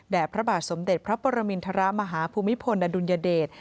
พระบาทสมเด็จพระปรมินทรมาฮภูมิพลอดุลยเดช